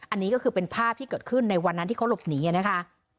อันนี้ก็คือเป็นภาพที่เกิดขึ้นในวันนั้นที่เขาหลบหนีนะคะ